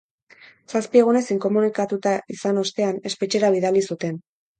Zazpi egunez inkomunikatuta izan ostean, espetxera bidali zuten.